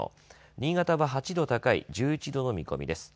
新潟は８度高い１１度の見込みです。